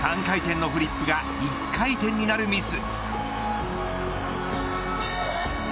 ３回転のフリップが１回転になるミス。